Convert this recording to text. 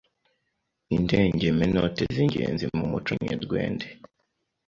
Indengemenote z’ingenzi mu Muco Nyerwende”